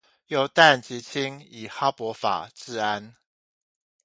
由氮及氫以哈柏法製氨